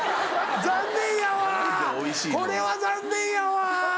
残念やわこれは残念やわ。